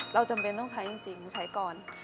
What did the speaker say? จำเป็นต้องใช้จริงใช้ก่อน